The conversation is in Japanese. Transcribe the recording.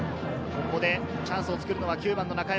チャンスを作るのは９番の中山。